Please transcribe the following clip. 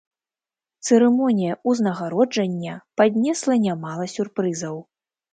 Цырымонія ўзнагароджання паднесла нямала сюрпрызаў.